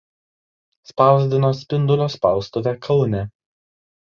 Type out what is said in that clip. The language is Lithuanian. Spausdino Spindulio spaustuvė Kaune.